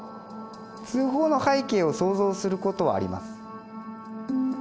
通報の背景を想像することはあります。